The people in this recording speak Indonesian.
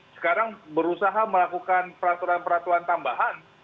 sekarang berusaha melakukan peraturan peraturan tambahan